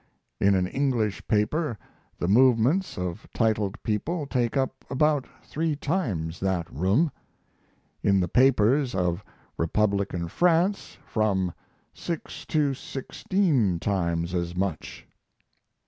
In an English paper the movements of titled people take up about three times that room. In the papers of Republican France from six to sixteen times as much.